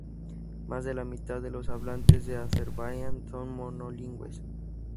Más de la mitad de los hablantes de Azerbaiyán son monolingües.